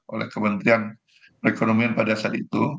oleh kementrian ekonomi pada saat itu